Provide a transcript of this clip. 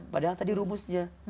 padahal tadi rumusnya